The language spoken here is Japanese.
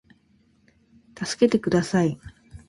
たすけてください